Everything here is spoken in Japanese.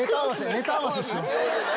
ネタ合わせしよう。